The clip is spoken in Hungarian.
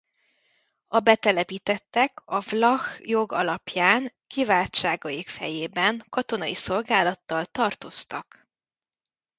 A betelepítettek a vlach jog alapján kiváltságaik fejében katonai szolgálattal tartoztak.